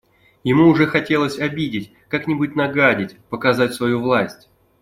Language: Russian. Ему уже хотелось обидеть, как-нибудь нагадить, показать свою власть.